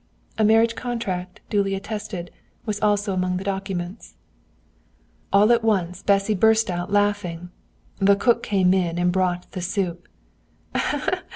"A marriage contract, duly attested, was also among the documents." All at once Bessy burst out laughing. The cook came in and brought the soup.